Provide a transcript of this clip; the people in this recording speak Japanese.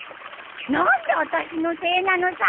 何であたしのせいなのさ。